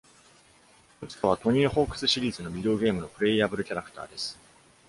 ムスカは、「Tony Hawk's」シリーズのビデオゲームのプレイヤブルキャラクターです。